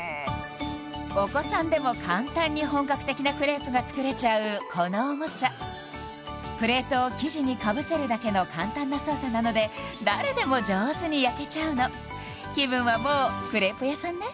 お子さんでも簡単に本格的なクレープが作れちゃうこのおもちゃプレートを生地にかぶせるだけの簡単な操作なので誰でも上手に焼けちゃうの気分はもうクレープ屋さんね